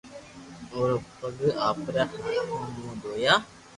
اورا پگ آپري ھاٿو مون دويا